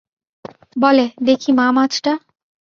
বলে, দেখি মা মাছটা?